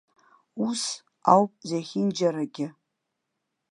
Ус ауп зегьынџьарагьы.